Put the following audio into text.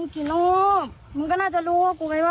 เป็นไรล่ะ